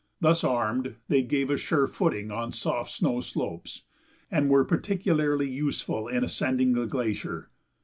Thus armed, they gave us sure footing on soft snow slopes, and were particularly useful in ascending the glacier.